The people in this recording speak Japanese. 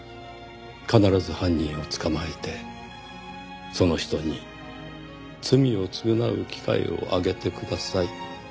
必ず犯人を捕まえてその人に罪を償う機会をあげてください」